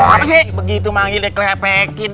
apa sih begitu manggilnya kelepekin